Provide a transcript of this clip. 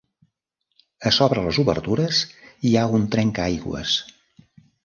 A sobre les obertures hi ha un trencaaigües.